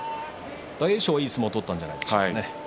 大栄翔はいい相撲を取ったんじゃないですか。